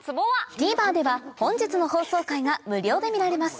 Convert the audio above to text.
ＴＶｅｒでは本日の放送回が無料で見られます